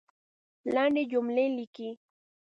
لندي جملې لیکئ !